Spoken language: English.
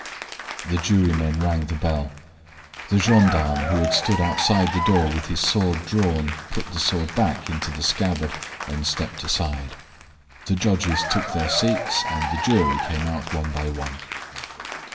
The jurymen rang the bell. The gendarme who had stood outside the door with his sword drawn put the sword back into the scabbard and stepped aside. The judges took their seats and the jury came out one by one.